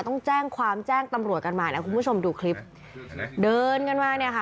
ต้องแจ้งความแจ้งตำรวจกันมานะคุณผู้ชมดูคลิปเดินกันมาเนี่ยค่ะ